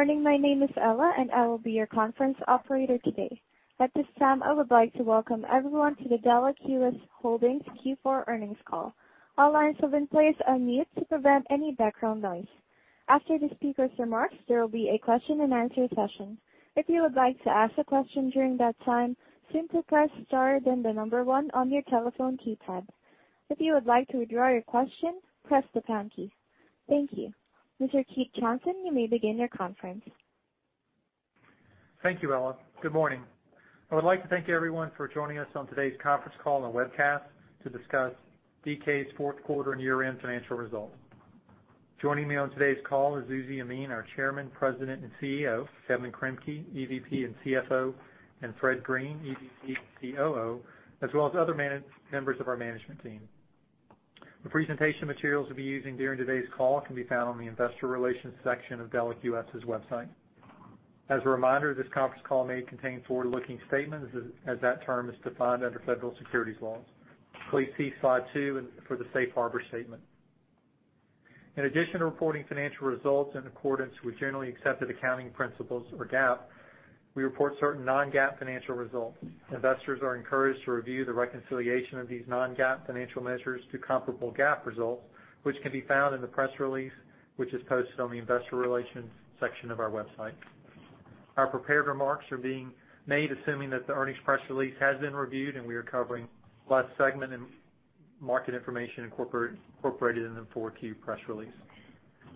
Good morning. My name is Ella, and I will be your conference operator today. At this time, I would like to welcome everyone to the Delek US Holdings Q4 earnings call. All lines have been placed on mute to prevent any background noise. After the speakers' remarks, there will be a question-and-answer session. If you would like to ask a question during that time, simply press star, then the number one on your telephone keypad. If you would like to withdraw your question, press the pound key. Thank you. Mr. Keith Stanley, you may begin your conference. Thank you, Ella. Good morning. I would like to thank everyone for joining us on today's conference call and webcast to discuss DK's fourth quarter and year-end financial results. Joining me on today's call is Uzi Yemin, our Chairman, President, and CEO, Kevin Kremke, EVP and CFO, and Fred Green, EVP and COO, as well as other members of our management team. The presentation materials we'll be using during today's call can be found on the investor relations section of Delek US's website. As a reminder, this conference call may contain forward-looking statements as that term is defined under federal securities laws. Please see slide two for the safe harbor statement. In addition to reporting financial results in accordance with generally accepted accounting principles or GAAP, we report certain non-GAAP financial results. Investors are encouraged to review the reconciliation of these non-GAAP financial measures to comparable GAAP results, which can be found in the press release, which is posted on the investor relations section of our website. Our prepared remarks are being made assuming that the earnings press release has been reviewed. We are covering last segment and market information incorporated in the 4-Q press release.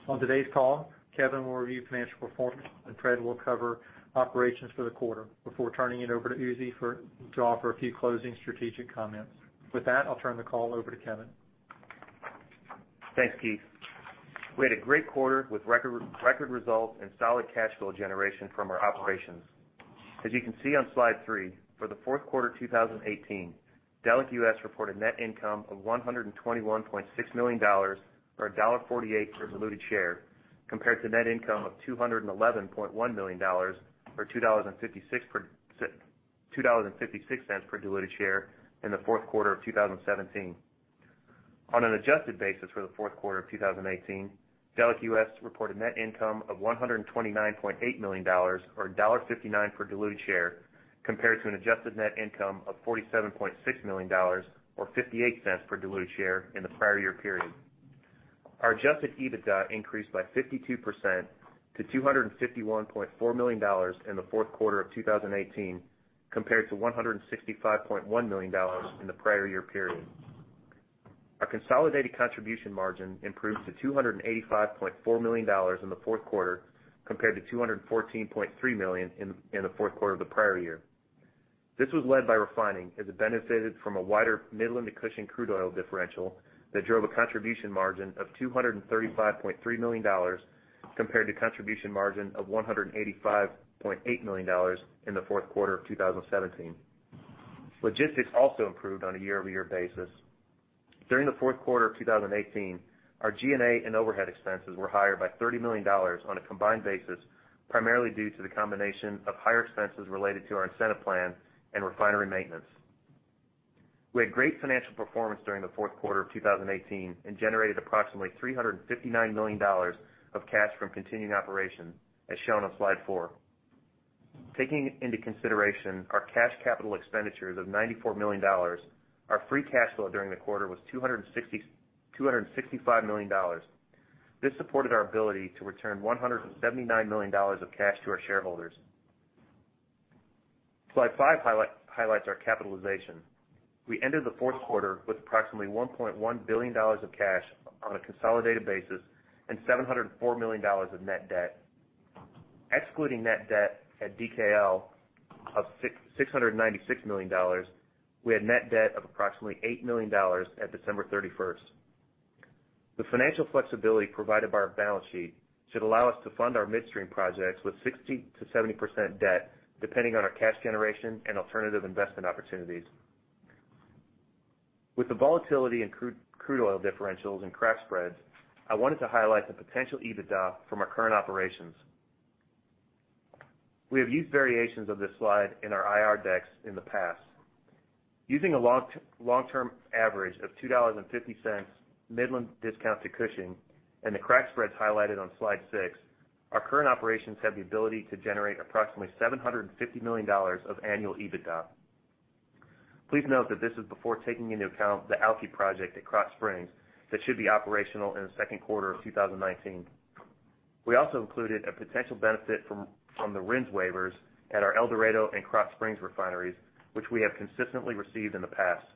On today's call, Kevin will review financial performance, and Fred will cover operations for the quarter before turning it over to Uzi to offer a few closing strategic comments. With that, I'll turn the call over to Kevin. Thanks, Keith. We had a great quarter with record results and solid cash flow generation from our operations. As you can see on slide three, for the fourth quarter 2018, Delek US reported net income of $121.6 million, or $1.48 per diluted share, compared to net income of $211.1 million or $2.56 per diluted share in the fourth quarter of 2017. On an adjusted basis for the fourth quarter of 2018, Delek US reported net income of $129.8 million or $1.59 per diluted share, compared to an adjusted net income of $47.6 million or $0.58 per diluted share in the prior year period. Our adjusted EBITDA increased by 52% to $251.4 million in the fourth quarter of 2018, compared to $165.1 million in the prior year period. Our consolidated contribution margin improved to $285.4 million in the fourth quarter, compared to $214.3 million in the fourth quarter of the prior year. This was led by refining as it benefited from a wider Midland-to-Cushing crude oil differential that drove a contribution margin of $235.3 million, compared to contribution margin of $185.8 million in the fourth quarter of 2017. Logistics also improved on a year-over-year basis. During the fourth quarter of 2018, our G&A and overhead expenses were higher by $30 million on a combined basis, primarily due to the combination of higher expenses related to our incentive plan and refinery maintenance. We had great financial performance during the fourth quarter of 2018 and generated approximately $359 million of cash from continuing operations, as shown on slide four. Taking into consideration our cash capital expenditures of $94 million, our free cash flow during the quarter was $265 million. This supported our ability to return $179 million of cash to our shareholders. Slide five highlights our capitalization. We ended the fourth quarter with approximately $1.1 billion of cash on a consolidated basis and $704 million of net debt. Excluding net debt at DKL of $696 million, we had net debt of approximately $8 million at December 31st. The financial flexibility provided by our balance sheet should allow us to fund our midstream projects with 60%-70% debt, depending on our cash generation and alternative investment opportunities. With the volatility in crude oil differentials and crack spreads, I wanted to highlight the potential EBITDA from our current operations. We have used variations of this slide in our IR decks in the past. Using a long-term average of $2.50 Midland discount to Cushing and the crack spreads highlighted on slide six, our current operations have the ability to generate approximately $750 million of annual EBITDA. Please note that this is before taking into account the Alky project at Krotz Springs that should be operational in the second quarter of 2019. We also included a potential benefit from the RINs waivers at our El Dorado and Krotz Springs refineries, which we have consistently received in the past.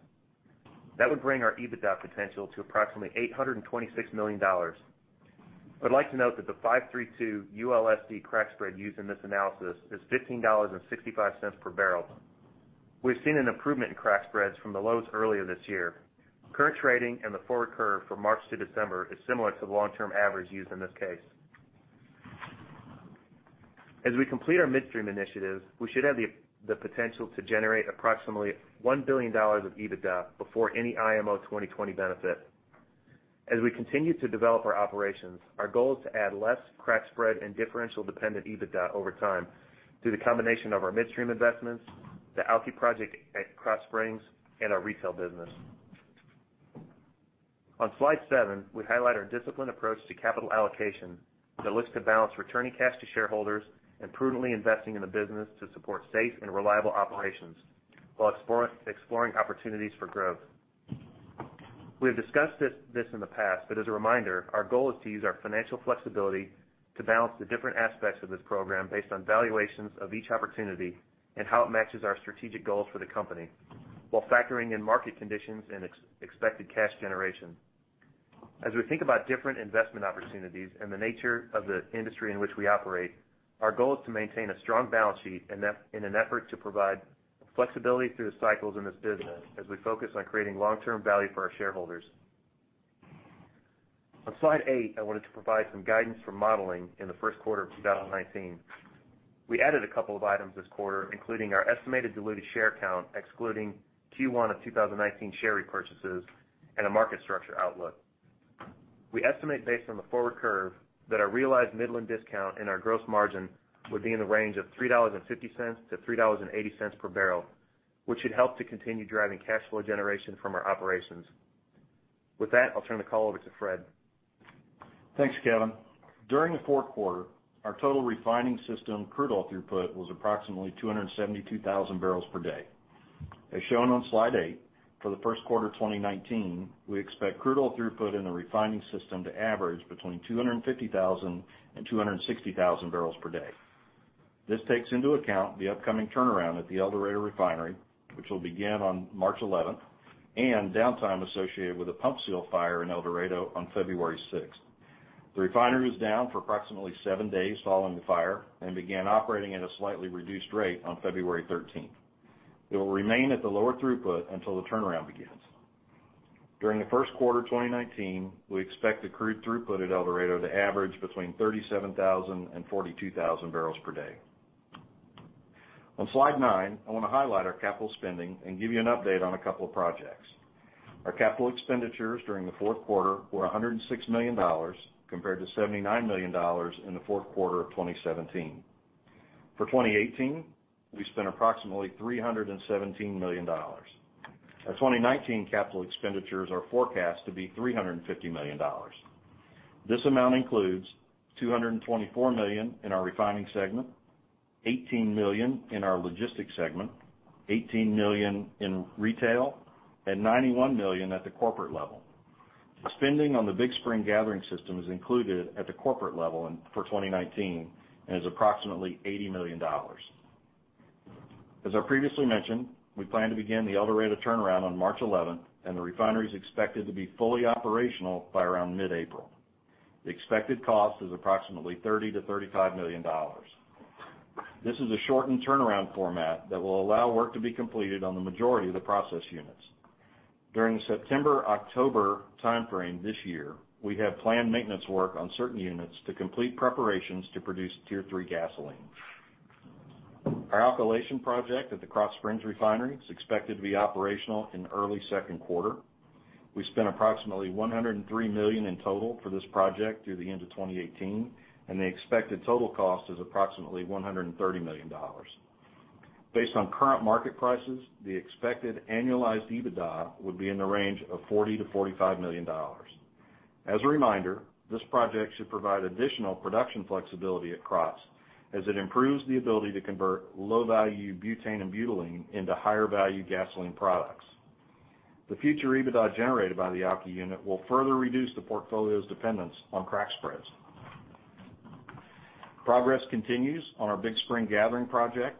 That would bring our EBITDA potential to approximately $826 million. I would like to note that the 5-3-2 ULSD crack spread used in this analysis is $15.65 per barrel. We've seen an improvement in crack spreads from the lows earlier this year. Current trading and the forward curve from March to December is similar to the long-term average used in this case. As we complete our midstream initiatives, we should have the potential to generate approximately $1 billion of EBITDA before any IMO 2020 benefit. As we continue to develop our operations, our goal is to add less crack spread and differential-dependent EBITDA over time through the combination of our midstream investments, the Alky project at Krotz Springs, and our retail business. On slide seven, we highlight our disciplined approach to capital allocation that looks to balance returning cash to shareholders and prudently investing in the business to support safe and reliable operations, while exploring opportunities for growth. We have discussed this in the past, but as a reminder, our goal is to use our financial flexibility to balance the different aspects of this program based on valuations of each opportunity and how it matches our strategic goals for the company, while factoring in market conditions and expected cash generation. As we think about different investment opportunities and the nature of the industry in which we operate, our goal is to maintain a strong balance sheet in an effort to provide flexibility through the cycles in this business as we focus on creating long-term value for our shareholders. On slide eight, I wanted to provide some guidance for modeling in the first quarter of 2019. We added a couple of items this quarter, including our estimated diluted share count, excluding Q1 of 2019 share repurchases and a market structure outlook. We estimate, based on the forward curve, that our realized Midland discount and our gross margin would be in the range of $3.50-$3.80 per barrel, which should help to continue driving cash flow generation from our operations. With that, I'll turn the call over to Fred. Thanks, Kevin. During the fourth quarter, our total refining system crude oil throughput was approximately 272,000 barrels per day. As shown on slide eight, for the first quarter of 2019, we expect crude oil throughput in the refining system to average between 250,000 and 260,000 barrels per day. This takes into account the upcoming turnaround at the El Dorado refinery, which will begin on March 11th, and downtime associated with a pump seal fire in El Dorado on February 6th. The refinery was down for approximately seven days following the fire and began operating at a slightly reduced rate on February 13th. It will remain at the lower throughput until the turnaround begins. During the first quarter of 2019, we expect the crude throughput at El Dorado to average between 37,000 and 42,000 barrels per day. On slide nine, I want to highlight our capital spending and give you an update on a couple of projects. Our capital expenditures during the fourth quarter were $106 million, compared to $79 million in the fourth quarter of 2017. For 2018, we spent approximately $317 million. Our 2019 capital expenditures are forecast to be $350 million. This amount includes $224 million in our refining segment, $18 million in our logistics segment, $18 million in retail, and $91 million at the corporate level. Spending on the Big Spring gathering system is included at the corporate level for 2019 and is approximately $80 million. As I previously mentioned, we plan to begin the El Dorado turnaround on March 11th, and the refinery is expected to be fully operational by around mid-April. The expected cost is approximately $30 million-$35 million. This is a shortened turnaround format that will allow work to be completed on the majority of the process units. During the September-October timeframe this year, we have planned maintenance work on certain units to complete preparations to produce Tier 3 gasoline. Our alkylation project at the Krotz Springs refinery is expected to be operational in early second quarter. We spent approximately $103 million in total for this project through the end of 2018, and the expected total cost is approximately $130 million. Based on current market prices, the expected annualized EBITDA would be in the range of $40 million-$45 million. As a reminder, this project should provide additional production flexibility at Krotz as it improves the ability to convert low-value butane and butylene into higher-value gasoline products. The future EBITDA generated by the alky unit will further reduce the portfolio's dependence on crack spreads. Progress continues on our Big Spring gathering project.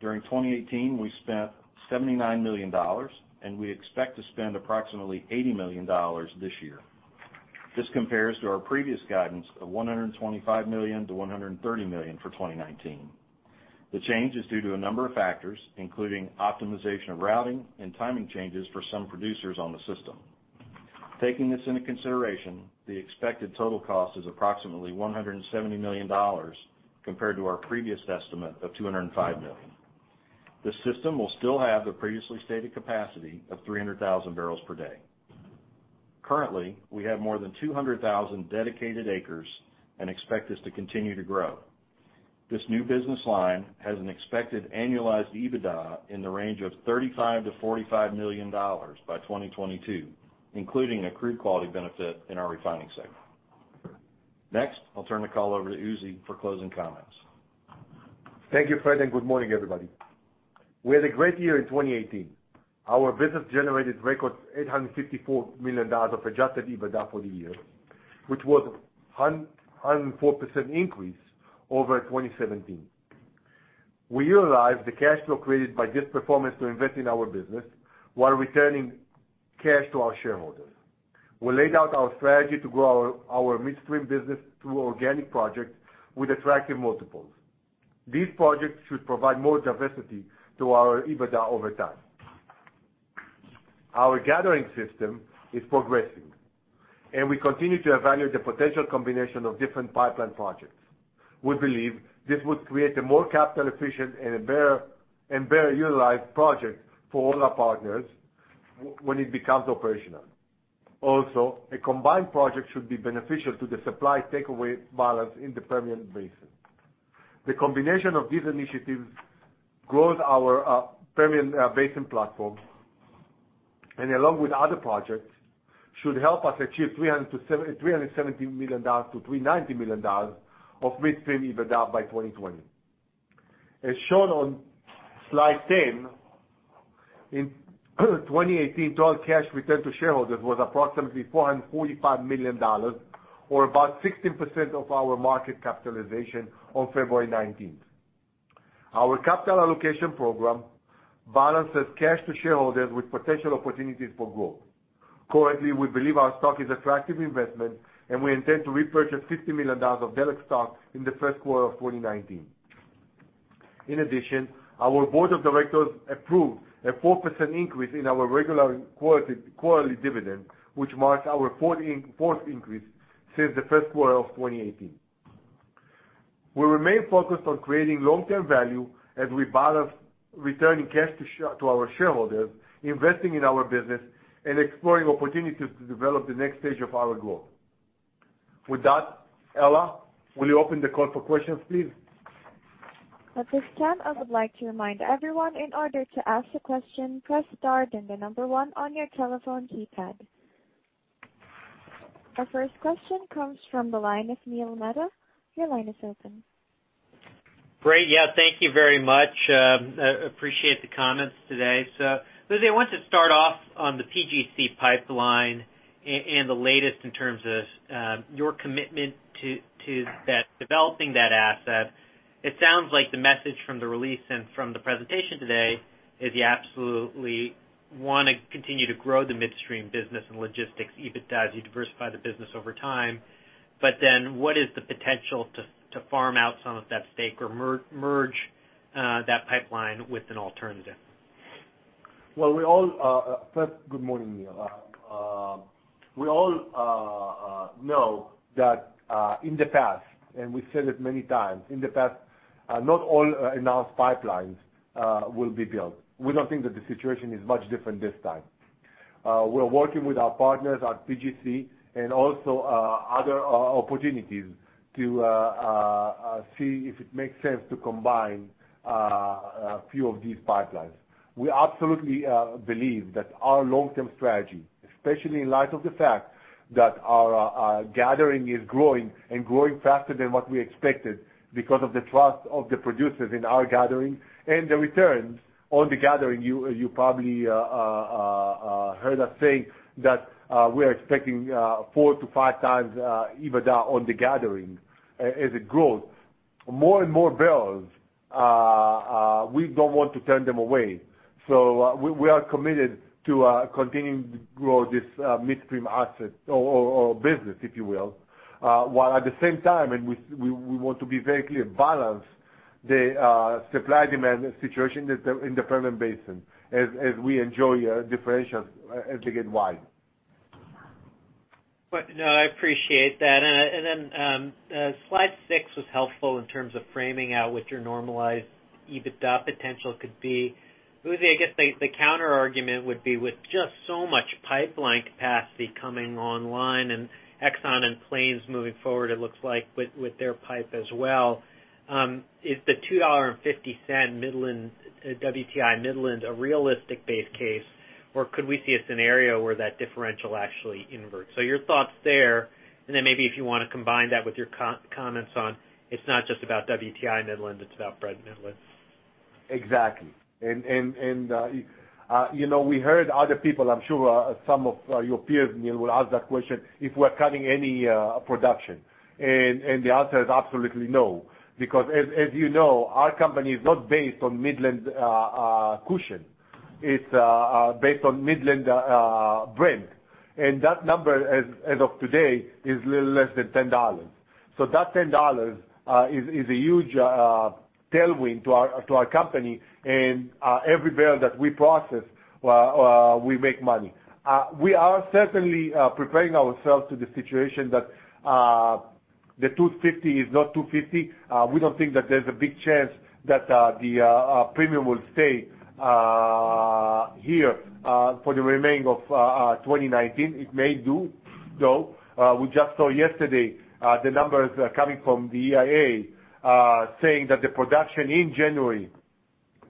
During 2018, we spent $79 million, and we expect to spend approximately $80 million this year. This compares to our previous guidance of $125 million-$130 million for 2019. The change is due to a number of factors, including optimization of routing and timing changes for some producers on the system. Taking this into consideration, the expected total cost is approximately $170 million, compared to our previous estimate of $205 million. The system will still have the previously stated capacity of 300,000 barrels per day. Currently, we have more than 200,000 dedicated acres and expect this to continue to grow. This new business line has an expected annualized EBITDA in the range of $35 million-$45 million by 2022, including a crude quality benefit in our refining segment. Next, I'll turn the call over to Uzi for closing comments. Thank you, Fred, and good morning, everybody. We had a great year in 2018. Our business generated record $854 million of adjusted EBITDA for the year, which was a 104% increase over 2017. We utilized the cash flow created by this performance to invest in our business while returning cash to our shareholders. We laid out our strategy to grow our midstream business through organic projects with attractive multiples. These projects should provide more diversity to our EBITDA over time. Our gathering system is progressing. We continue to evaluate the potential combination of different pipeline projects. We believe this would create a more capital-efficient and better utilized project for all our partners when it becomes operational. A combined project should be beneficial to the supply-takeaway balance in the Permian Basin. The combination of these initiatives grows our Permian Basin platform, along with other projects, should help us achieve $370 million-$390 million of midstream EBITDA by 2020. As shown on slide 10, in 2018, total cash return to shareholders was approximately $445 million, or about 16% of our market capitalization on February 19th. Our capital allocation program balances cash to shareholders with potential opportunities for growth. Currently, we believe our stock is attractive investment. We intend to repurchase $50 million of Delek stock in the first quarter of 2019. Our board of directors approved a 4% increase in our regular quarterly dividend, which marks our fourth increase since the first quarter of 2018. We remain focused on creating long-term value as we balance returning cash to our shareholders, investing in our business, and exploring opportunities to develop the next stage of our growth. Ella, will you open the call for questions, please? At this time, I would like to remind everyone, in order to ask a question, press star then the number 1 on your telephone keypad. Our first question comes from the line of Neil Mehta. Your line is open. Great. Yeah, thank you very much. Appreciate the comments today. Uzi, I wanted to start off on the PGC Pipeline and the latest in terms of your commitment to developing that asset. It sounds like the message from the release and from the presentation today is you absolutely want to continue to grow the midstream business and logistics EBITDA as you diversify the business over time. What is the potential to farm out some of that stake or merge that pipeline with an alternative? Well, first, good morning, Neil. We all know that in the past, and we've said it many times, in the past, not all announced pipelines will be built. We don't think that the situation is much different this time. We're working with our partners at PGC and also other opportunities to see if it makes sense to combine a few of these pipelines. We absolutely believe that our long-term strategy, especially in light of the fact that our gathering is growing and growing faster than what we expected because of the trust of the producers in our gathering and the returns on the gathering. You probably heard us say that we're expecting four to five times EBITDA on the gathering as it grows. More and more barrels, we don't want to turn them away. We are committed to continuing to grow this midstream asset or business, if you will. While at the same time, and we want to be very clear, balance the supply-demand situation in the Permian Basin as we enjoy differentials as they get wide. No, I appreciate that. Then slide six was helpful in terms of framing out what your normalized EBITDA potential could be. Uzi, I guess the counterargument would be with just so much pipeline capacity coming online and Exxon and Plains moving forward, it looks like with their pipe as well. Is the $2.50 WTI Midland a realistic base case, or could we see a scenario where that differential actually inverts? Your thoughts there, and then maybe if you want to combine that with your comments on it's not just about WTI Midland, it's about Brent Midland. Exactly. We heard other people, I'm sure some of your peers, Neil, will ask that question, if we're cutting any production. The answer is absolutely no, because as you know, our company is not based on Midland-to-Cushing. It's based on Midland Brent. That number, as of today, is little less than $10. That $10 is a huge tailwind to our company, and every barrel that we process, we make money. We are certainly preparing ourselves to the situation that the $2.50 is not $2.50. We don't think that there's a big chance that the premium will stay here for the remaining of 2019. It may do, though. We just saw yesterday the numbers coming from the EIA saying that the production in January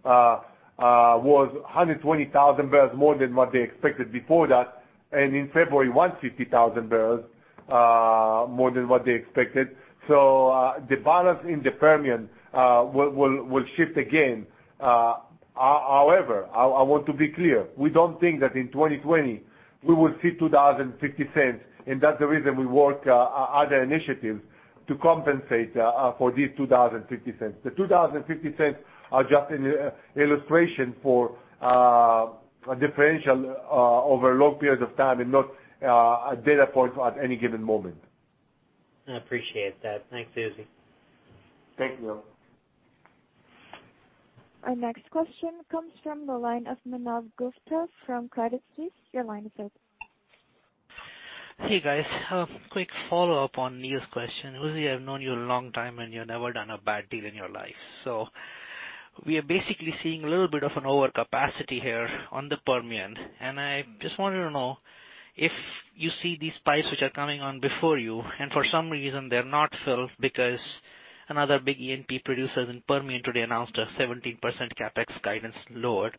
was 120,000 barrels more than what they expected before that, and in February, 150,000 barrels more than what they expected. The balance in the Permian will shift again. However, I want to be clear, we don't think that in 2020 we will see $2.50, and that's the reason we work other initiatives to compensate for this $2.50. The $2.50 are just an illustration for a differential over long periods of time and not a data point at any given moment. I appreciate that. Thanks, Uzi. Thank you. Our next question comes from the line of Manav Gupta from Credit Suisse. Your line is open. Hey, guys. A quick follow-up on Neil's question. Uzi, I've known you a long time, and you've never done a bad deal in your life. We are basically seeing a little bit of an overcapacity here on the Permian. I just wanted to know if you see these pipes which are coming on before you, and for some reason they're not filled because another big E&P producer in Permian today announced a 17% CapEx guidance lowered.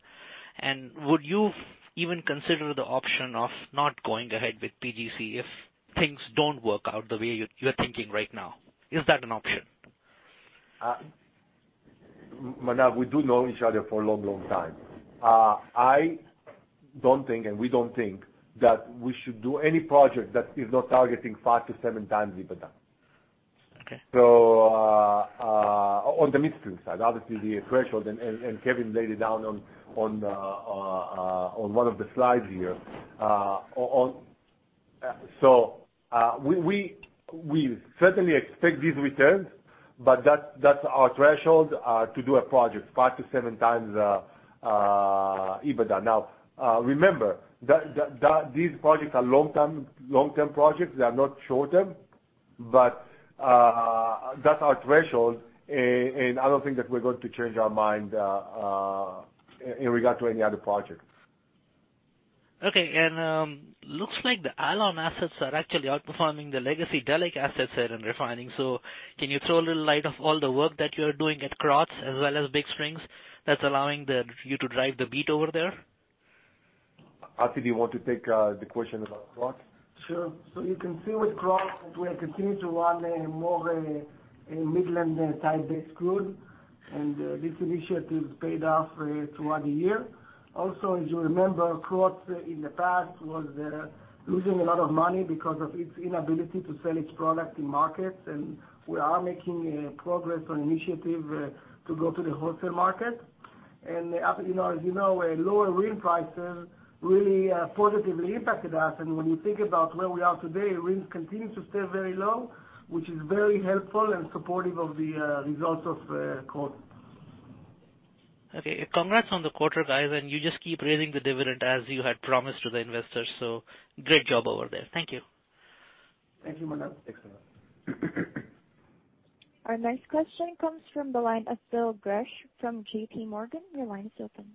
Would you even consider the option of not going ahead with PGC if things don't work out the way you're thinking right now? Is that an option? Manav, we do know each other for a long time. I don't think, and we don't think that we should do any project that is not targeting five to seven times EBITDA. Okay. On the midstream side, obviously the threshold, Kevin laid it down on one of the slides here. We certainly expect these returns, but that's our threshold to do a project 5 to 7 times EBITDA. Now, remember, these projects are long-term projects. They are not short-term, but that's our threshold, I don't think that we're going to change our mind in regard to any other projects. Okay. Looks like the Alon assets are actually outperforming the legacy Delek assets that are in refining. Can you throw a little light of all the work that you're doing at Krotz as well as Big Spring that's allowing you to drive the beat over there? Assi, do you want to take the question about Krotz? Sure. You can see with Krotz that we are continuing to run a more Midland-type based crude, and this initiative paid off throughout the year. Also, as you remember, Krotz in the past was losing a lot of money because of its inability to sell its product in markets, and we are making progress on initiative to go to the wholesale market. As you know, lower RIN prices really positively impacted us. When you think about where we are today, RIN continues to stay very low, which is very helpful and supportive of the results of Krotz. Okay. Congrats on the quarter, guys. You just keep raising the dividend as you had promised to the investors. Great job over there. Thank you. Thank you, Manav. Thanks a lot. Our next question comes from the line of Phil Gresh from JPMorgan. Your line is open.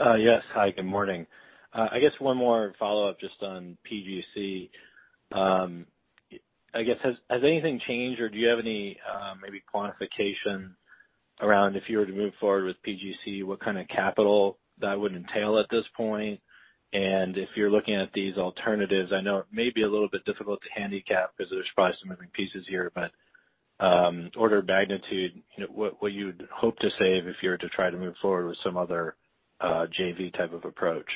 Yes. Hi, good morning. I guess one more follow-up just on PGC. I guess has anything changed or do you have any maybe quantification around if you were to move forward with PGC, what kind of capital that would entail at this point? If you're looking at these alternatives, I know it may be a little bit difficult to handicap because there's probably some moving pieces here, but order of magnitude, what you'd hope to save if you were to try to move forward with some other JV type of approach?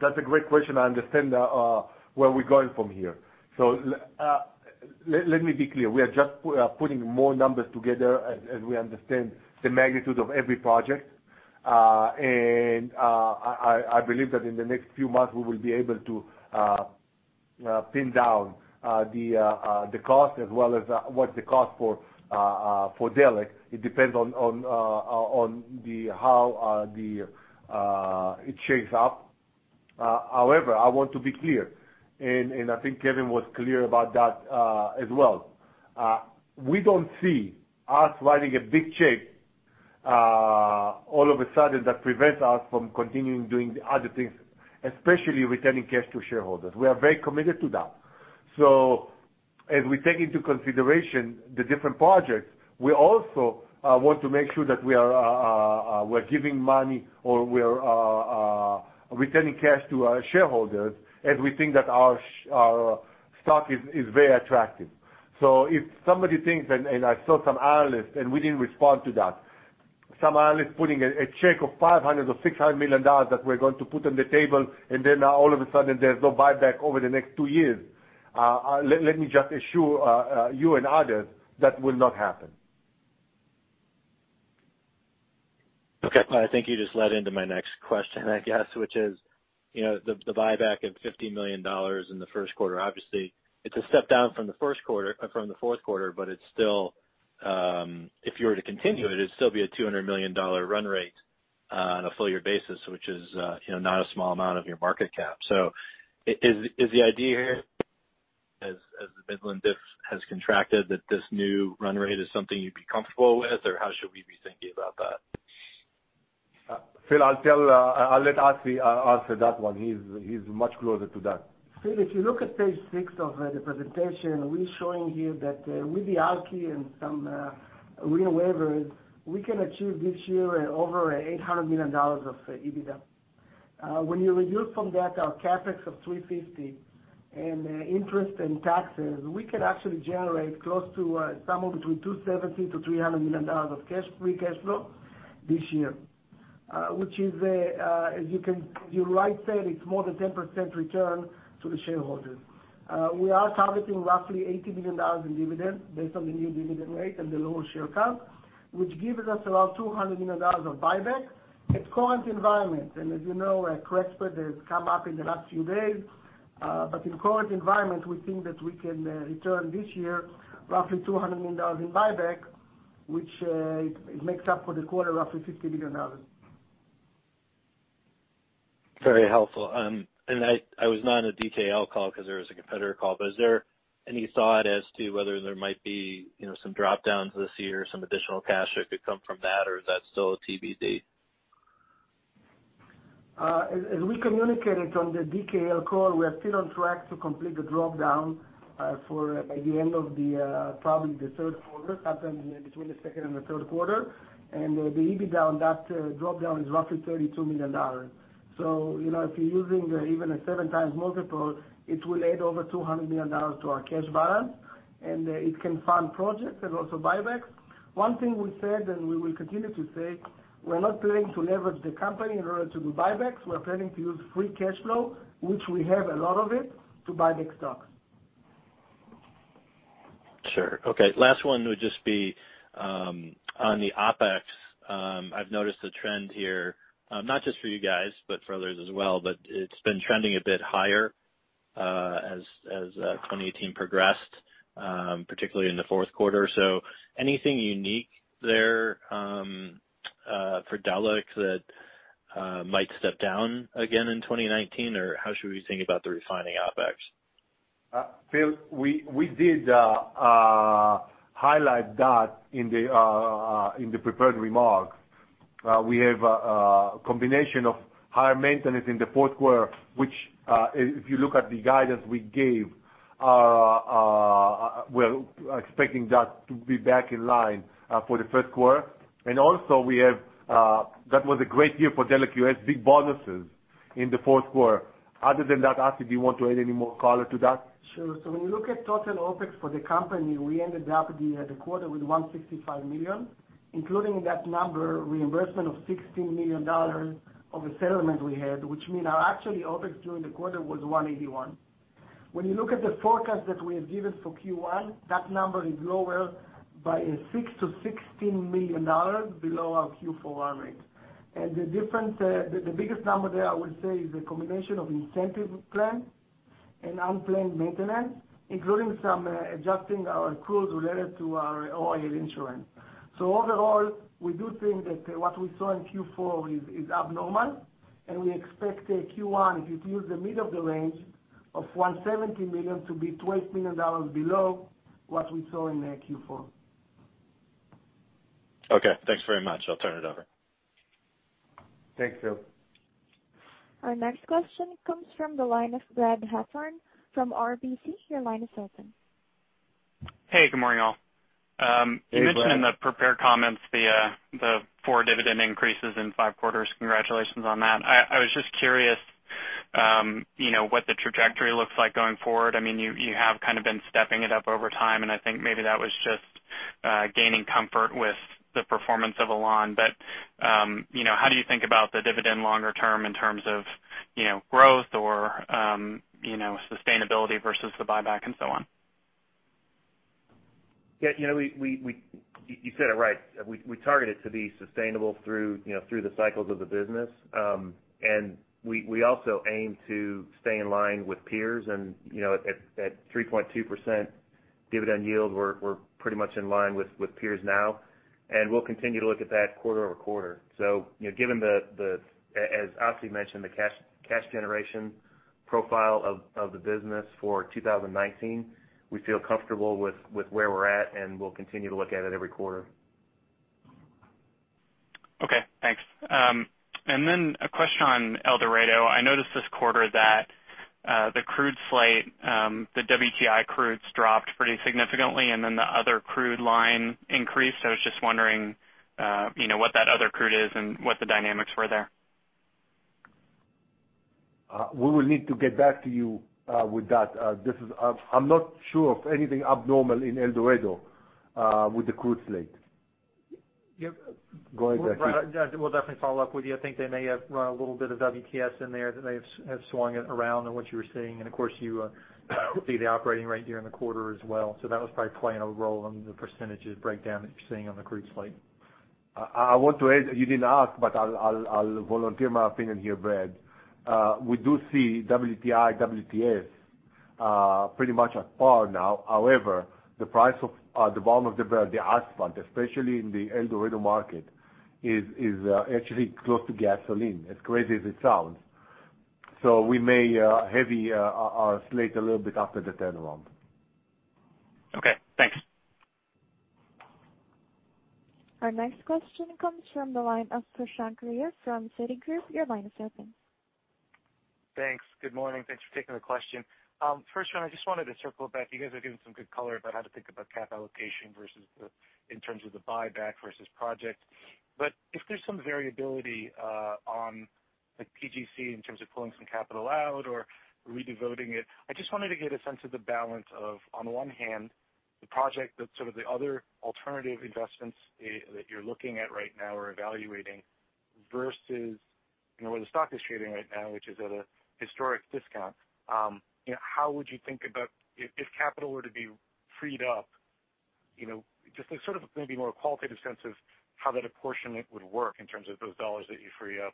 That's a great question. I understand where we're going from here. Let me be clear. We are just putting more numbers together as we understand the magnitude of every project. I believe that in the next few months, we will be able to pin down the cost as well as what the cost for Delek. It depends on how it shapes up. However, I want to be clear, and I think Kevin was clear about that as well. We don't see us writing a big check all of a sudden that prevents us from continuing doing the other things, especially returning cash to shareholders. We are very committed to that. As we take into consideration the different projects, we also want to make sure that we're giving money or we're returning cash to our shareholders as we think that our stock is very attractive. If somebody thinks, and I saw some analyst, and we didn't respond to that. Some analyst putting a check of $500 million or $600 million that we're going to put on the table, and then all of a sudden there's no buyback over the next two years. Let me just assure you and others that will not happen. Okay. I think you just led into my next question, I guess, which is the buyback of $50 million in the first quarter, obviously it's a step down from the fourth quarter, but it's still, if you were to continue it'd still be a $200 million run rate on a full year basis, which is not a small amount of your market cap. Is the idea here as the Midland diff has contracted that this new run rate is something you'd be comfortable with? How should we be thinking about that? Phil, I'll let Assi answer that one. He's much closer to that. Phil, if you look at page six of the presentation, we're showing here that with the Alky and some RIN waivers, we can achieve this year over $800 million of EBITDA. When you reduce from that our CapEx of $350, and interest and taxes, we can actually generate close to somewhere between $270 million to $300 million of free cash flow this year. Which is as you rightly said, it's more than 10% return to the shareholders. We are targeting roughly $80 million in dividends based on the new dividend rate and the lower share count, which gives us around $200 million of buyback at current environment. As you know, credit spread has come up in the last few days. In current environment, we think that we can return this year roughly $200 million in buyback, which makes up for the quarter, roughly $50 million. Very helpful. I was not on the DKL call because there was a competitor call, is there any thought as to whether there might be some drop-downs this year, some additional cash that could come from that, or is that still TBD? As we communicated on the DKL call, we are still on track to complete the drop-down by the end of probably the third quarter, sometime between the second and the third quarter. The EBITDA on that drop-down is roughly $32 million. If you're using even a seven times multiple, it will add over $200 million to our cash balance, and it can fund projects and also buybacks. One thing we said, and we will continue to say, we're not planning to leverage the company in order to do buybacks. We're planning to use free cash flow, which we have a lot of it, to buy back stock. Sure. Okay. Last one would just be on the OpEx. I've noticed a trend here, not just for you guys, but for others as well, but it's been trending a bit higher as 2018 progressed, particularly in the fourth quarter. Anything unique there for Delek that might step down again in 2019? Or how should we think about the refining OpEx? Phil, we did highlight that in the prepared remarks. We have a combination of higher maintenance in the fourth quarter, which, if you look at the guidance we gave, we're expecting that to be back in line for the first quarter. That was a great year for Delek US, big bonuses in the fourth quarter. Other than that, Assi, do you want to add any more color to that? Sure. When you look at total OpEx for the company, we ended up the quarter with $165 million, including in that number reimbursement of $16 million of a settlement we had, which means our actual OpEx during the quarter was $181 million. When you look at the forecast that we have given for Q1, that number is lower by $6 million-$16 million below our Q4 earnings. The biggest number there, I would say, is a combination of incentive plan and unplanned maintenance, including some adjusting our accruals related to our oil insurance. Overall, we do think that what we saw in Q4 is abnormal, and we expect Q1, if you use the middle of the range of $170 million, to be $12 million below what we saw in Q4. Okay. Thanks very much. I'll turn it over. Thanks, Phil. Our next question comes from the line of Brad Heffern from RBC. Your line is open. Hey, good morning, all. Hey, Brad. You mentioned in the prepared comments the four dividend increases in five quarters. Congratulations on that. I was just curious what the trajectory looks like going forward. You have kind of been stepping it up over time, and I think maybe that was just gaining comfort with the performance of Alon. How do you think about the dividend longer term in terms of growth or sustainability versus the buyback and so on? You said it right. We target it to be sustainable through the cycles of the business. We also aim to stay in line with peers and at 3.2% dividend yield, we're pretty much in line with peers now, and we'll continue to look at that quarter-over-quarter. As Assi mentioned, the cash generation profile of the business for 2019, we feel comfortable with where we're at, and we'll continue to look at it every quarter. Okay, thanks. A question on El Dorado. I noticed this quarter that the crude slate, the WTI crudes dropped pretty significantly, and the other crude line increased. I was just wondering what that other crude is and what the dynamics were there. We will need to get back to you with that. I'm not sure of anything abnormal in El Dorado with the crude slate. Go ahead, Brad. We'll definitely follow up with you. I think they may have run a little bit of WTS in there that they have swung it around on what you were seeing. Of course, you see the operating rate here in the quarter as well. That was probably playing a role in the percentages breakdown that you're seeing on the crude slate. I want to add, you didn't ask, but I'll volunteer my opinion here, Brad. We do see WTI, WTS pretty much at par now. However, the price of the bottom of the barrel, the asphalt, especially in the El Dorado market, is actually close to gasoline, as crazy as it sounds. We may heavy our slate a little bit after the turnaround. Okay, thanks. Our next question comes from the line of Prashant Rao from Citigroup. Your line is open. Thanks. Good morning. Thanks for taking the question. First one, I just wanted to circle back. You guys are giving some good color about how to think about capital allocation versus in terms of the buyback versus project. If there's some variability on PGC in terms of pulling some capital out or re-devoting it, I just wanted to get a sense of the balance of, on one hand, the project, sort of the other alternative investments that you're looking at right now or evaluating versus where the stock is trading right now, which is at a historic discount. How would you think about if capital were to be freed up, just sort of maybe more a qualitative sense of how that apportionment would work in terms of those dollars that you free up?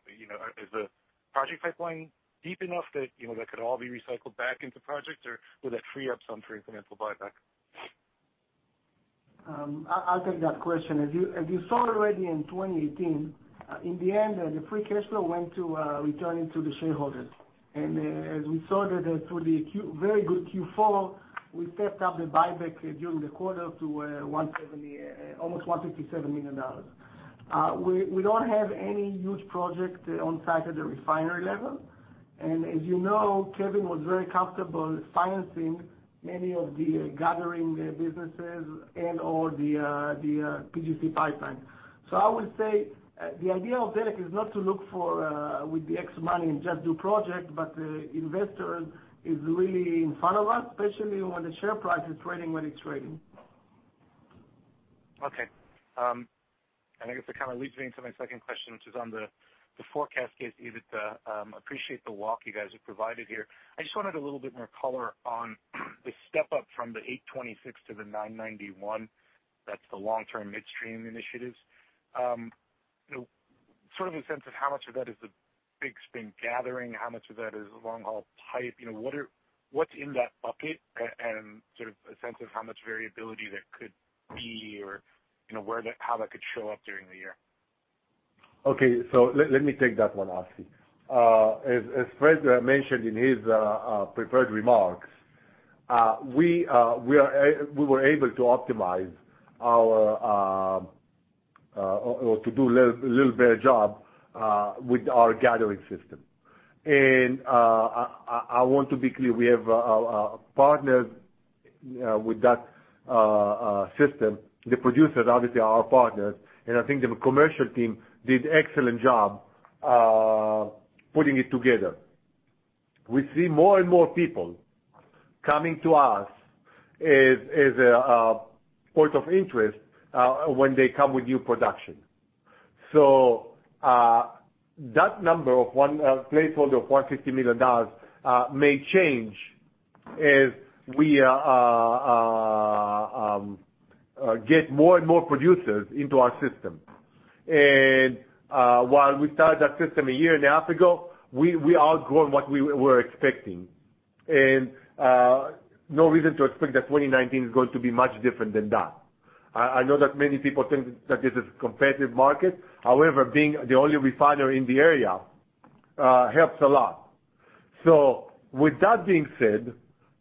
Is the project pipeline deep enough that that could all be recycled back into projects, or would that free up some for incremental buyback? I'll take that question. As you saw already in 2018, in the end, the free cash flow went to returning to the shareholders. As we saw through the very good Q4, we stepped up the buyback during the quarter to almost $157 million. We don't have any huge project on site at the refinery level. As you know, Kevin was very comfortable financing many of the gathering businesses and/or the PGC Pipeline. I would say, the idea of Delek is not to look with the extra money and just do project, but the investor is really in front of us, especially when the share price is trading when it's trading. Okay. I guess that kind of leads me into my second question, which is on the forecast case, EBITDA. Appreciate the walk you guys have provided here. I just wanted a little bit more color on the step up from the 826 to the 991. That's the long-term midstream initiatives. Sort of a sense of how much of that is the Big Spring gathering, how much of that is long-haul pipe? What's in that bucket? Sort of a sense of how much variability that could be or how that could show up during the year. Okay. Let me take that one, Assi. As Fred mentioned in his prepared remarks, we were able to optimize or to do a little better job with our gathering system. I want to be clear, we have partnered with that system. The producers obviously are our partners, and I think the commercial team did an excellent job putting it together. We see more and more people coming to us as a port of interest when they come with new production. That number of placeholder of $150 million may change as we get more and more producers into our system. While we started that system a year and a half ago, we outgrew what we were expecting. No reason to expect that 2019 is going to be much different than that. I know that many people think that this is a competitive market. However, being the only refiner in the area helps a lot. With that being said,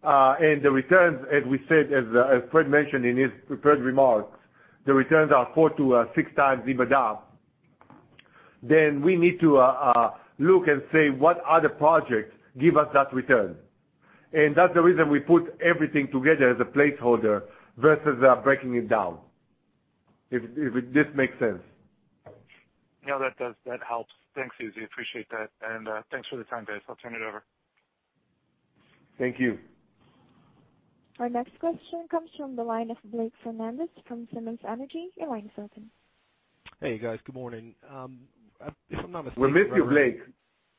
and the returns, as Fred mentioned in his prepared remarks, the returns are four to six times EBITDA. We need to look and say, what other projects give us that return? That's the reason we put everything together as a placeholder versus breaking it down. If this makes sense. Yeah, that does. That helps. Thanks, Uzi. Appreciate that. Thanks for the time, guys. I'll turn it over. Thank you. Our next question comes from the line of Blake Fernandez from Simmons Energy. Your line's open. Hey, guys. Good morning. If I'm not mistaken- We miss you, Blake.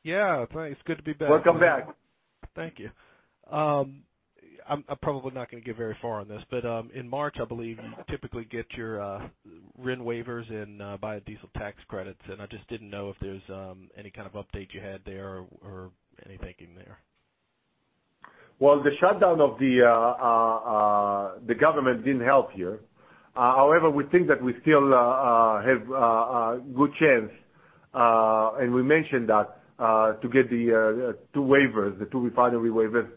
Yeah. Thanks. Good to be back. Welcome back. Thank you. In March, I believe you typically get your RIN waivers and biodiesel tax credits, I just didn't know if there's any kind of update you had there or any thinking there. Well, the shutdown of the government didn't help here. We think that we still have a good chance, and we mentioned that, to get the two waivers, the two refinery waivers.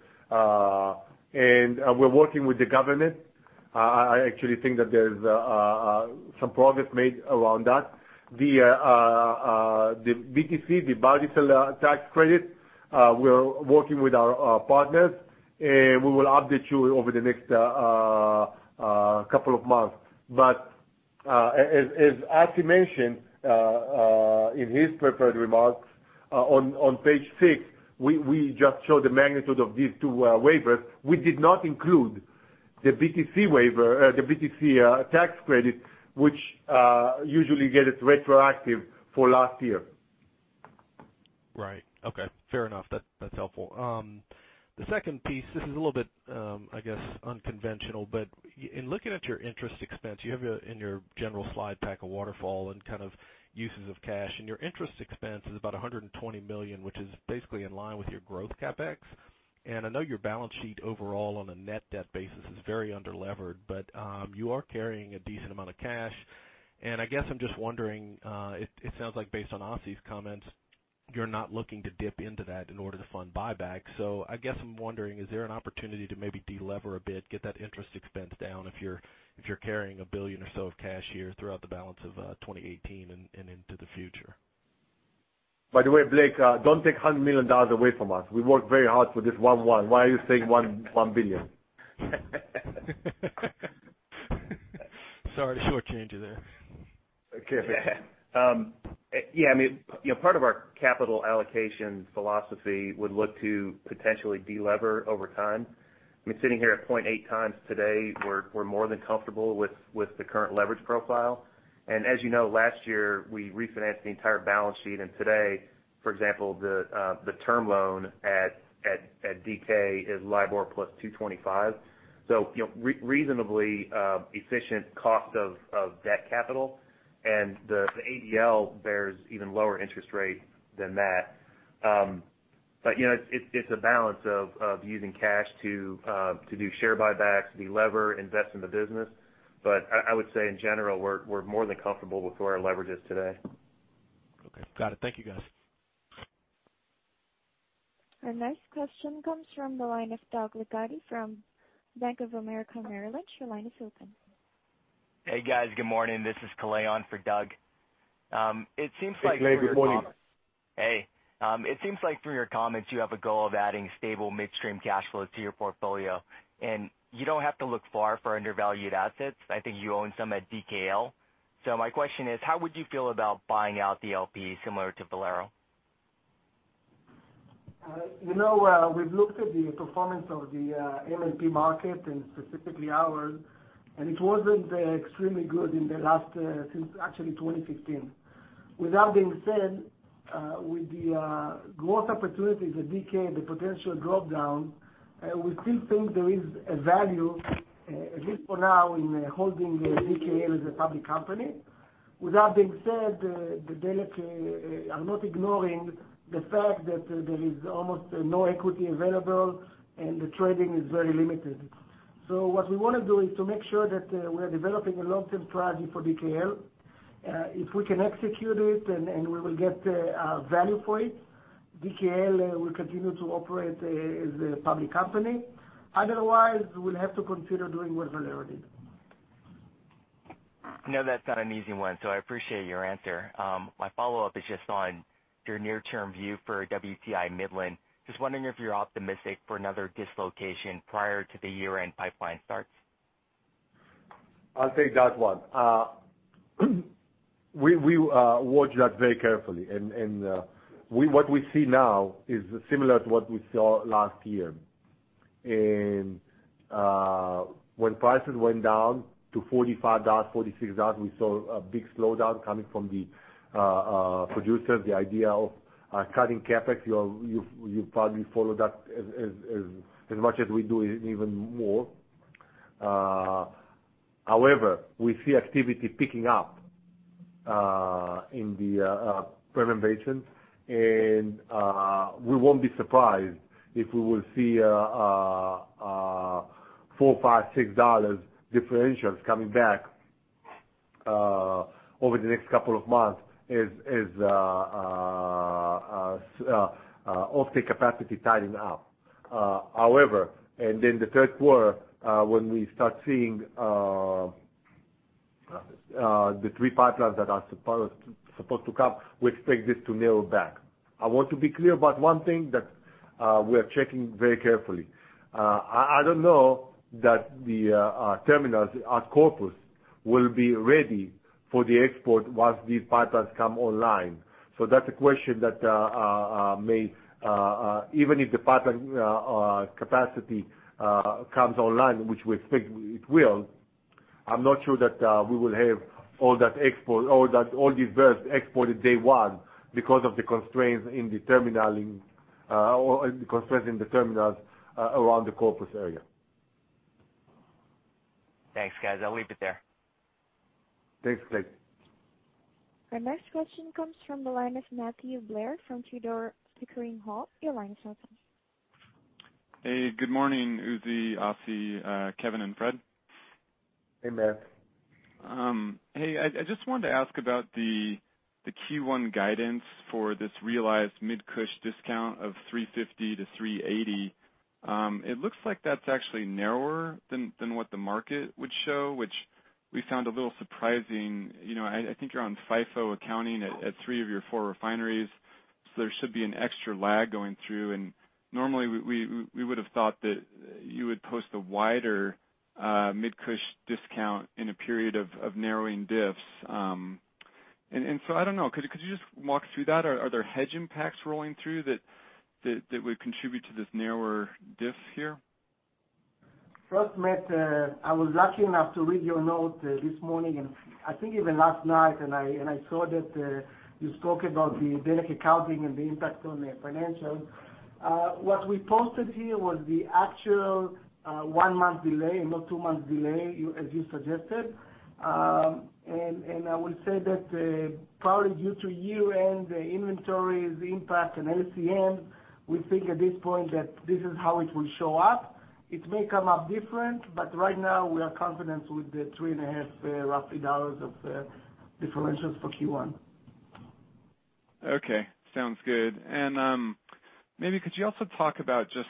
We're working with the government. I actually think that there's some progress made around that. The BTC, the biodiesel tax credit, we're working with our partners. We will update you over the next couple of months. As Assi mentioned in his prepared remarks on page six, we just showed the magnitude of these two waivers. We did not include the BTC tax credit, which usually get it retroactive for last year. Right. Okay. Fair enough. That's helpful. The second piece, this is a little bit, I guess, unconventional. In looking at your interest expense, you have in your general slide pack, a waterfall and kind of uses of cash. Your interest expense is about $120 million, which is basically in line with your growth CapEx. I know your balance sheet overall on a net debt basis is very underlevered, you are carrying a decent amount of cash. I guess I'm just wondering, it sounds like based on Assi's comments, you're not looking to dip into that in order to fund buyback. I guess I'm wondering, is there an opportunity to maybe de-lever a bit, get that interest expense down if you're carrying $1 billion or so of cash here throughout the balance of 2018 and into the future? By the way, Blake, don't take $100 million away from us. We worked very hard for this one. Why are you saying $1 billion? Sorry. Shortchanged you there. Okay. Yeah. Part of our capital allocation philosophy would look to potentially de-lever over time. Sitting here at 0.8 times today, we're more than comfortable with the current leverage profile. As you know, last year, we refinanced the entire balance sheet. Today, for example, the term loan at DK is LIBOR plus 225. Reasonably efficient cost of debt capital and the DKL bears even lower interest rate than that. It's a balance of using cash to do share buybacks, delever, invest in the business. I would say in general, we're more than comfortable with where our leverage is today. Okay, got it. Thank you, guys. Our next question comes from the line of Doug Leggate from Bank of America Merrill Lynch. Your line is open. Hey, guys. Good morning. This is Kalei for Doug. Hey, Kalei. Good morning. Hey. It seems like from your comments, you have a goal of adding stable midstream cash flows to your portfolio. You don't have to look far for undervalued assets. I think you own some at DKL. My question is, how would you feel about buying out the LP similar to Valero? We've looked at the performance of the MLP market, and specifically ours, it wasn't extremely good since actually 2015. With that being said, with the growth opportunities at DKL, the potential drop down, we still think there is a value, at least for now, in holding DKL as a public company. With that being said, Delek are not ignoring the fact that there is almost no equity available, and the trading is very limited. What we want to do is to make sure that we are developing a long-term strategy for DKL. If we can execute it and we will get value for it, DKL will continue to operate as a public company. Otherwise, we'll have to consider doing what Valero did. I know that's not an easy one, I appreciate your answer. My follow-up is just on your near-term view for WTI Midland. Just wondering if you're optimistic for another dislocation prior to the year-end pipeline starts. I'll take that one. What we see now is similar to what we saw last year. When prices went down to $45, $46, we saw a big slowdown coming from the producers, the idea of cutting CapEx. You've probably followed that as much as we do, and even more. However, we see activity picking up in the Permian Basin, and we won't be surprised if we will see $4, $5, $6 differentials coming back over the next couple of months as offtake capacity tidying up. The third quarter, when we start seeing the three pipelines that are supposed to come, we expect this to narrow back. I want to be clear about one thing that we're checking very carefully. I don't know that the terminals at Corpus will be ready for the export once these pipelines come online. That's a question that may Even if the pipeline capacity comes online, which we expect it will, I'm not sure that we will have all these vessels exported day one because of the constraints in the terminals around the Corpus area. Thanks, guys. I'll leave it there. Thanks, Kale. Our next question comes from the line of Matthew Blair from Tudor, Pickering, Holt. Your line is open. Hey, good morning, Uzi, Assi, Kevin, and Fred. Hey, Matt. Hey. I just wanted to ask about the Q1 guidance for this realized Midland-to-Cushing discount of $3.50-$3.80. It looks like that's actually narrower than what the market would show, which we found a little surprising. I think you're on FIFO accounting at three of your four refineries, so there should be an extra lag going through, and normally we would have thought that you would post a wider Midland-to-Cushing discount in a period of narrowing diffs. I don't know. Could you just walk through that? Are there hedge impacts rolling through that would contribute to this narrower diff here? First, Matt, I was lucky enough to read your note this morning, I think even last night, and I saw that you spoke about the Delek accounting and the impact on the financials. What we posted here was the actual one-month delay and not two months delay, as you suggested. I will say that probably due to year-end inventories impact and LCM, we think at this point that this is how it will show up. It may come up different, but right now we are confident with the three and a half roughly dollars of differentials for Q1. Okay. Sounds good. Maybe could you also talk about just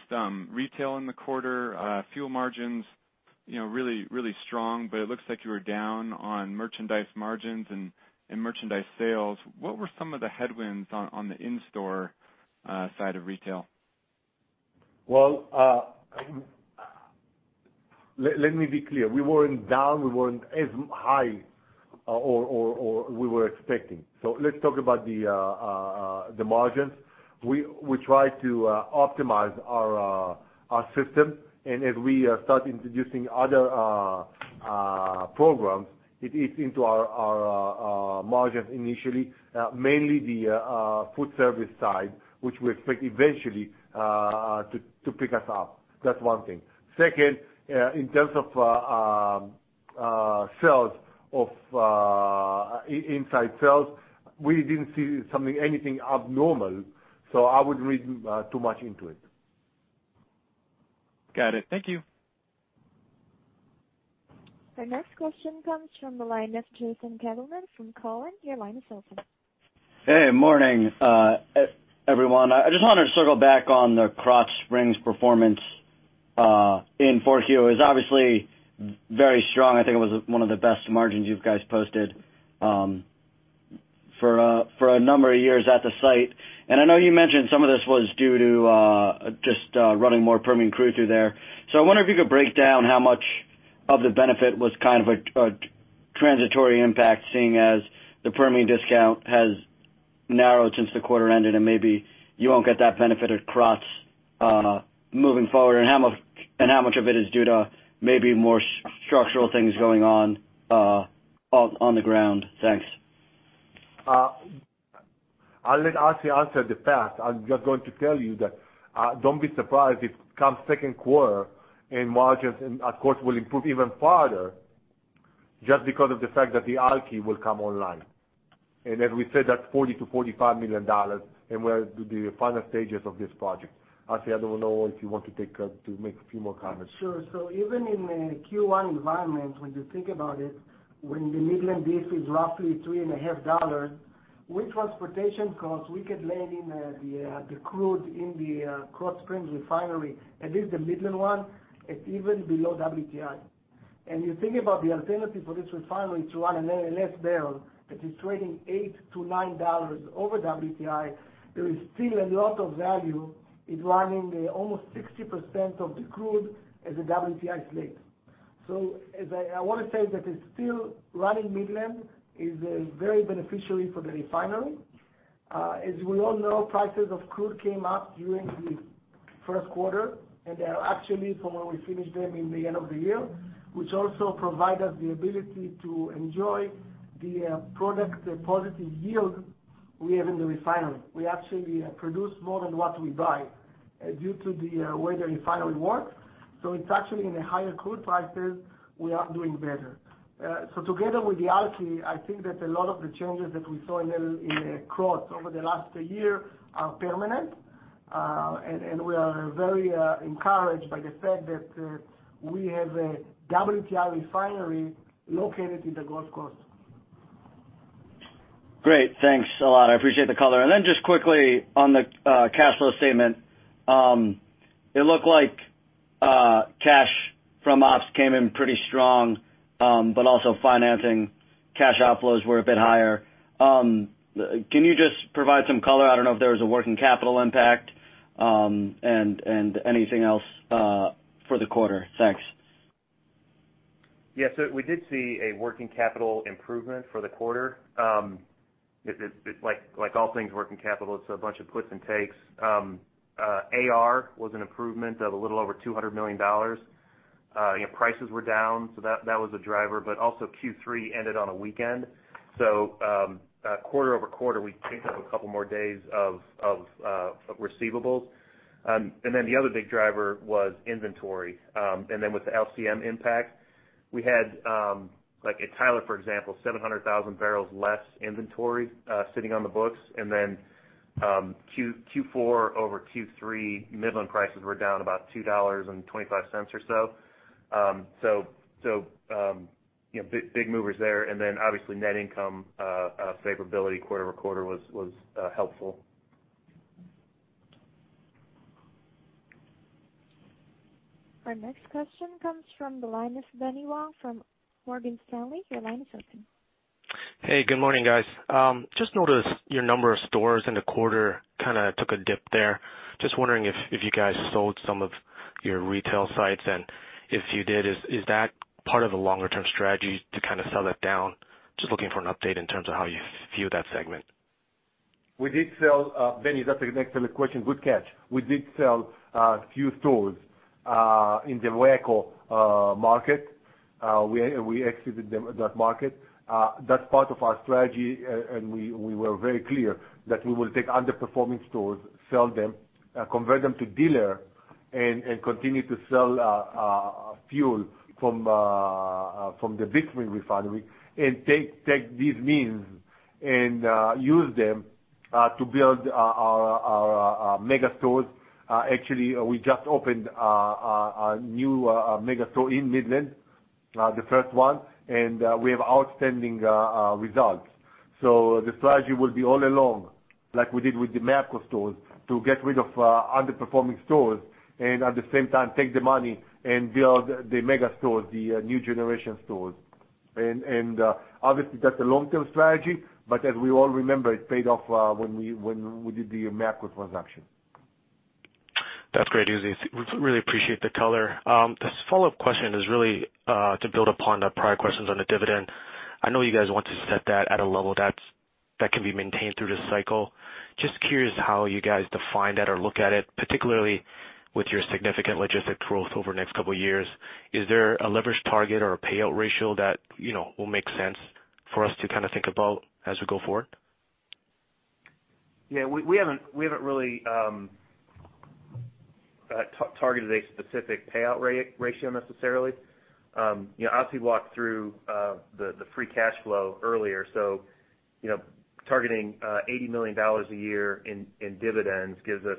retail in the quarter, fuel margins, really, really strong, but it looks like you were down on merchandise margins and merchandise sales. What were some of the headwinds on the in-store side of retail? Let me be clear. We weren't down. We weren't as high or we were expecting. Let's talk about the margins. We try to optimize our system, and as we start introducing other programs, it eats into our margins initially. Mainly the food service side, which we expect eventually to pick us up. That's one thing. Second, in terms of Inside sales. We didn't see anything abnormal, so I wouldn't read too much into it. Got it. Thank you. Our next question comes from the line of Jason Gabelman from Cowen. Your line is open. Hey, morning, everyone. I just wanted to circle back on the Krotz Springs performance in 4Q. It was obviously very strong. I think it was one of the best margins you guys posted for a number of years at the site. I know you mentioned some of this was due to just running more Permian crude through there. I wonder if you could break down how much of the benefit was a transitory impact, seeing as the Permian discount has narrowed since the quarter ended, and maybe you won't get that benefit at Krotz moving forward, and how much of it is due to maybe more structural things going on the ground. Thanks. I'll let Assi answer the fact. I'm just going to tell you that don't be surprised if come second quarter, margins, of course, will improve even further just because of the fact that the Alky will come online. As we said, that's $40 million-$45 million, and we're at the final stages of this project. Assi, I don't know if you want to make a few more comments. Sure. Even in a Q1 environment, when you think about it, when the Midland base is roughly $3.50, with transportation costs, we could land in the crude in the Krotz Springs refinery, at least the Midland one, it's even below WTI. You think about the alternative for this refinery to run an LLS barrel that is trading $8-$9 over WTI, there is still a lot of value in running almost 60% of the crude as a WTI slate. I want to say that it's still running Midland is very beneficial for the refinery. As we all know, prices of crude came up during the first quarter, they are actually from where we finished them in the end of the year, which also provide us the ability to enjoy the product, the positive yield we have in the refinery. We actually produce more than what we buy due to the way the refinery works. It's actually in the higher crude prices, we are doing better. Together with the Alky, I think that a lot of the changes that we saw in Krotz over the last year are permanent. We are very encouraged by the fact that we have a WTI refinery located in the Gulf Coast. Great. Thanks a lot. I appreciate the color. Then just quickly on the cash flow statement. It looked like cash from ops came in pretty strong, also financing cash outflows were a bit higher. Can you just provide some color? I don't know if there was a working capital impact, anything else for the quarter. Thanks. We did see a working capital improvement for the quarter. Like all things working capital, it's a bunch of puts and takes. AR was an improvement of a little over $200 million. Prices were down, that was a driver, but also Q3 ended on a weekend. Quarter-over-quarter, we picked up a couple more days of receivables. The other big driver was inventory. With the LCM impact, we had, like at Tyler, for example, 700,000 barrels less inventory sitting on the books. Q4 over Q3, Midland prices were down about $2.25 or so. Big movers there. Obviously, net income favorability quarter-over-quarter was helpful. Our next question comes from the line of Benny Wong from Morgan Stanley. Your line is open. Hey, good morning, guys. Noticed your number of stores in the quarter took a dip there. Wondering if you guys sold some of your retail sites, and if you did, is that part of the longer-term strategy to sell that down? Looking for an update in terms of how you view that segment. Benny, that's an excellent question. Good catch. We did sell a few stores in the Waco market. We exited that market. That's part of our strategy, we were very clear that we will take underperforming stores, sell them, convert them to dealer, continue to sell fuel from the Big Spring refinery and take these means and use them to build our mega stores. We just opened our new mega store in Midland, the first one, and we have outstanding results. The strategy will be all along, like we did with the Merco stores, to get rid of underperforming stores and at the same time take the money and build the mega stores, the new generation stores. Obviously, that's a long-term strategy, but as we all remember, it paid off when we did the Merco transaction. That's great, Uzi. Really appreciate the color. This follow-up question is really to build upon the prior questions on the dividend. I know you guys want to set that at a level that can be maintained through this cycle. Just curious how you guys define that or look at it, particularly with your significant logistic growth over the next couple of years. Is there a leverage target or a payout ratio that will make sense for us to think about as we go forward? Yeah, we haven't really targeted a specific payout ratio necessarily. As we walked through the free cash flow earlier. Targeting $80 million a year in dividends gives us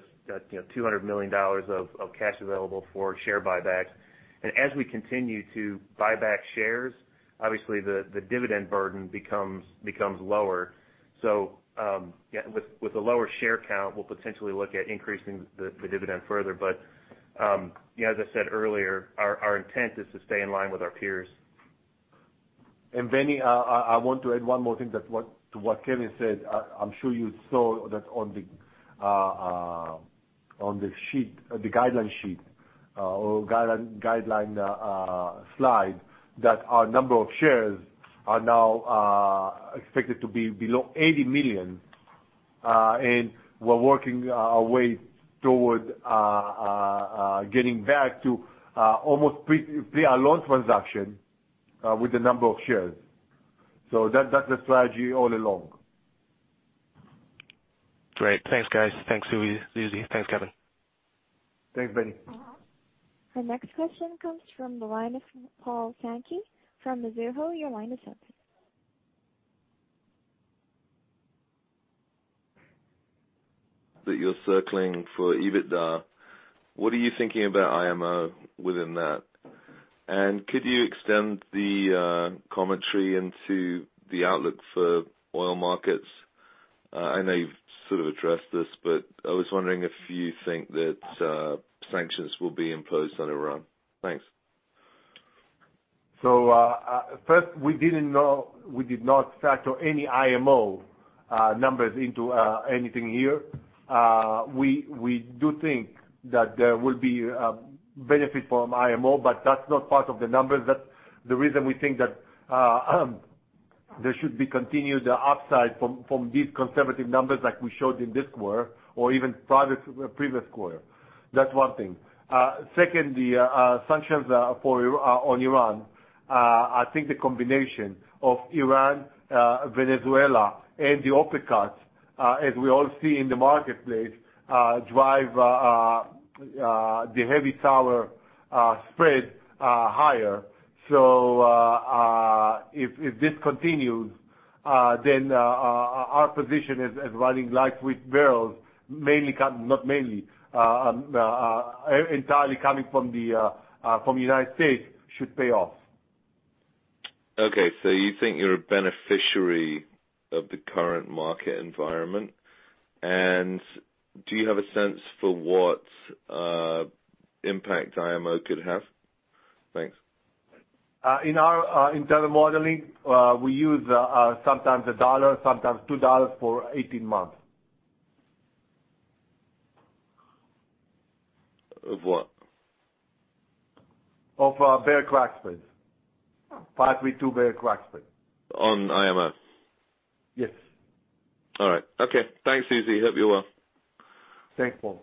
$200 million of cash available for share buybacks. As we continue to buy back shares, obviously the dividend burden becomes lower. With a lower share count, we'll potentially look at increasing the dividend further. As I said earlier, our intent is to stay in line with our peers. Benny, I want to add one more thing to what Kevin said. I'm sure you saw that on the guideline slide, that our number of shares are now expected to be below $80 million, and we're working our way toward getting back to almost pre Alon transaction with the number of shares. That's the strategy all along. Great. Thanks, guys. Thanks, Uzi. Thanks, Kevin. Thanks, Benny. Our next question comes from the line of Paul Sankey from Mizuho. Your line is open. That you're circling for EBITDA, what are you thinking about IMO within that? Could you extend the commentary into the outlook for oil markets? I know you've sort of addressed this, I was wondering if you think that sanctions will be imposed on Iran. Thanks. First, we did not factor any IMO numbers into anything here. We do think that there will be a benefit from IMO, that's not part of the numbers. The reason we think that there should be continued upside from these conservative numbers like we showed in this quarter or even previous quarter. That's one thing. Second, the sanctions on Iran. I think the combination of Iran, Venezuela, and the OPEC cuts, as we all see in the marketplace, drive the heavy tower spread higher. If this continues, our position as running light sweet barrels entirely coming from the United States should pay off. You think you're a beneficiary of the current market environment? Do you have a sense for what impact IMO could have? Thanks. In our internal modeling, we use sometimes $1, sometimes $2 for 18 months. Of what? Of barrel crack spreads. Part with two barrel crack spreads. On IMO? Yes. All right. Okay. Thanks, Uzi. Hope you're well. Thanks, Paul.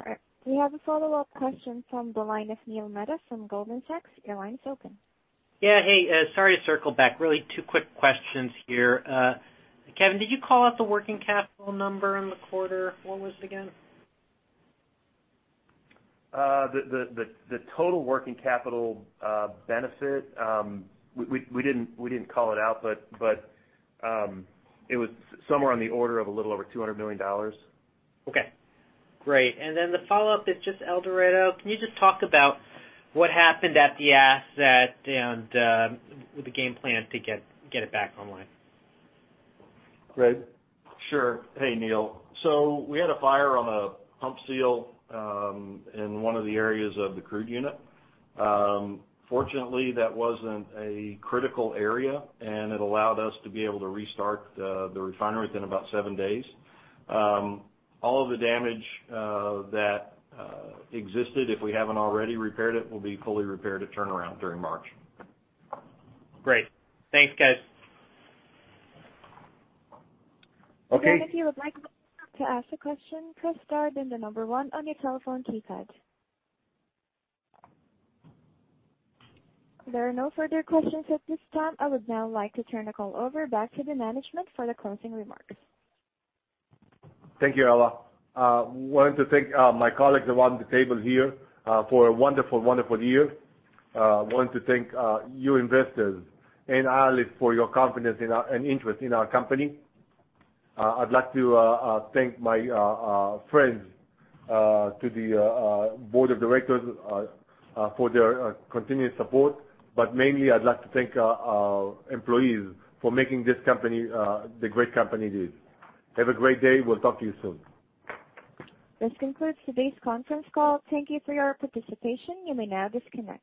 All right. We have a follow-up question from the line of Neil Mehta from Goldman Sachs. Your line is open. Yeah. Hey, sorry to circle back. Really two quick questions here. Kevin, did you call out the working capital number in the quarter? What was it again? The total working capital benefit, we didn't call it out, it was somewhere on the order of a little over $200 million. Okay. Great. The follow-up is just El Dorado. Can you just talk about what happened at the asset and the game plan to get it back online? Fred? Sure. Hey, Neil. We had a fire on a pump seal in one of the areas of the crude unit. Fortunately, that wasn't a critical area, and it allowed us to be able to restart the refinery within about seven days. All of the damage that existed, if we haven't already repaired it, will be fully repaired at turnaround during March. Great. Thanks, guys. Okay. Again, if you would like to ask a question, press star then the number one on your telephone keypad. There are no further questions at this time. I would now like to turn the call over back to the management for the closing remarks. Thank you, Ella. Wanted to thank my colleagues around the table here, for a wonderful year. Want to thank you investors and analysts for your confidence and interest in our company. I'd like to thank my friends to the board of directors for their continued support. Mainly, I'd like to thank our employees for making this company the great company it is. Have a great day. We'll talk to you soon. This concludes today's conference call. Thank you for your participation. You may now disconnect.